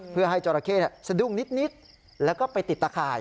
เพื่อให้จราเข้สะดุ้งนิดแล้วก็ไปติดตะข่าย